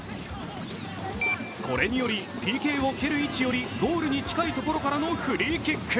これによりＰＫを蹴る位置よりゴールに近いところからのフリーキック。